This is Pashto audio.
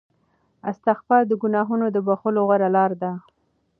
استغفار د ګناهونو د بخښلو غوره لاره ده.